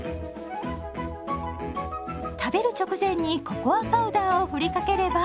食べる直前にココアパウダーをふりかければ。